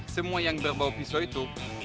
semua yang dibawa pisau itu